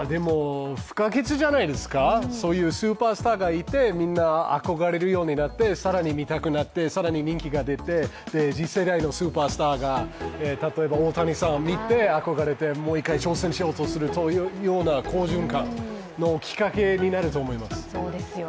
不可欠じゃないですかそういうスーパースターがいてみんな憧れるようになって、更に見たくなって、更に人気が出て次世代のスーパースターが例えば大谷さんを見て憧れてもう一回挑戦しようとする、そういうような好循環のきっかけになると思います。